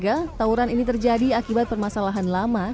seorang warga tawuran ini terjadi akibat permasalahan lama